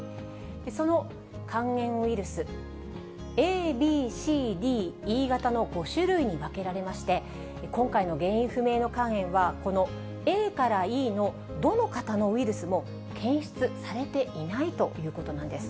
その肝炎ウイルス、ＡＢＣＤＥ型の５種類に分けられまして、今回の原因不明の肝炎は、このＡからＥのどの型のウイルスも、検出されてないということなんです。